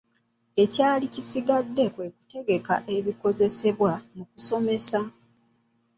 Ekyali kisigadde kwe kutegeka ebikozesebwa mu kusomesa.